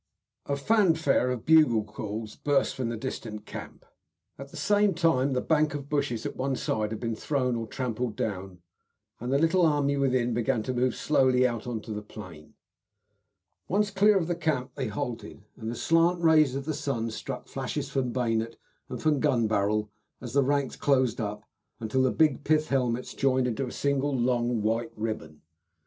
A fanfare of bugle calls burst from the distant camp. At the same time the bank of bushes at one side had been thrown or trampled down, and the little army within began to move slowly out on to the plain. Once clear of the camp they halted, and the slant rays of the sun struck flashes from bayonet and from gun barrel as the ranks closed up until the big pith helmets joined into a single long white ribbon.